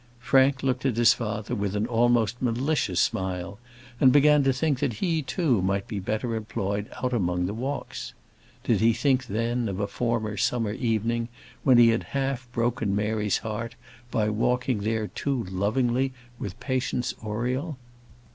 Frank looked at his father with almost a malicious smile, and began to think that he too might be better employed out among the walks. Did he think then of a former summer evening, when he had half broken Mary's heart by walking there too lovingly with Patience Oriel?